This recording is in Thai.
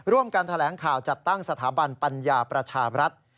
ร่วมกันแถลงข่าวจัดตั้งสถาบันปัญญาประชาบรัฐ